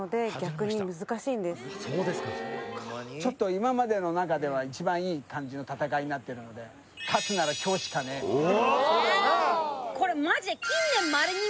今までの中では一番いい戦いになっているので勝つなら今日しかねえと。